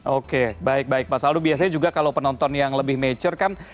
oke baik baik pak saldo biasanya juga kalau penonton yang lebih mature kan